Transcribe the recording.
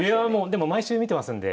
でも毎週見てますんで。